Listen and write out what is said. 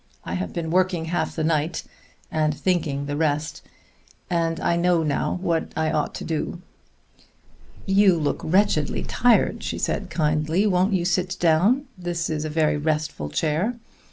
I have been working half the night, and thinking the rest; and I know now what I ought to do." "You look wretchedly tired," she said kindly. "Won't you sit down? this is a very restful chair.